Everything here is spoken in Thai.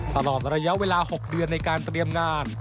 ตลอดระยะเวลา๖เดือนในการเตรียมงาน